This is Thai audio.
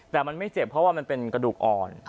แต่มันไม่เจ็บเพราะว่ามันเป็นกระดูกอ่อน